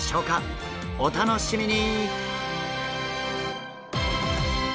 お楽しみに！